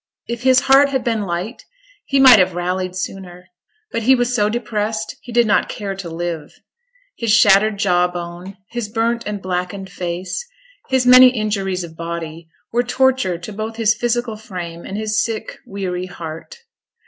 If his heart had been light, he might have rallied sooner; but he was so depressed he did not care to live. His shattered jaw bone, his burnt and blackened face, his many injuries of body, were torture to both his physical frame, and his sick, weary heart.